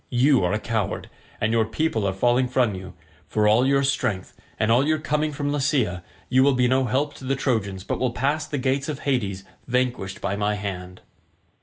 You are a coward, and your people are falling from you. For all your strength, and all your coming from Lycia, you will be no help to the Trojans but will pass the gates of Hades vanquished by my hand."